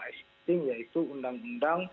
existing yaitu undang undang tiga belas dua ribu tiga